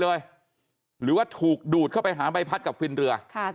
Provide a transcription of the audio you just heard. เลยหรือว่าถูกดูดเข้าไปหาใบพัดกับฟิลเรือค่ะแต่